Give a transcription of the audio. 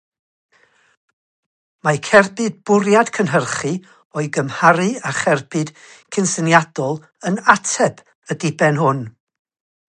Mae cerbyd “bwriad cynhyrchu”, o'i gymharu â cherbyd cysyniadol, yn ateb y diben hwn.